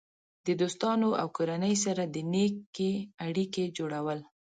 د دوستانو او کورنۍ سره د نیکې اړیکې جوړول.